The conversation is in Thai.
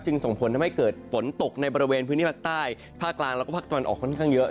จึงส่งผลครับทำให้เกิดฝนตกในบริเวณพื้นที่ภาคใต้ภาคกลางและภาคตะวันออกก็เยอะ